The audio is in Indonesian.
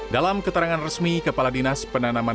dalam keterangan resmi kepala dinas penanaman